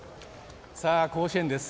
さあ甲子園です。